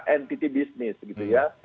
entity business gitu ya